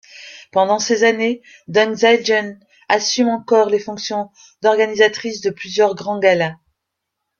Pendant ces années, Deng Zaijun assume encore les fonctions d’organisatrice de plusieurs grands galas.